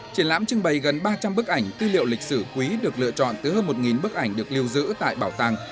triển lãm trưng bày gần ba trăm linh bức ảnh tư liệu lịch sử quý được lựa chọn từ hơn một bức ảnh được lưu giữ tại bảo tàng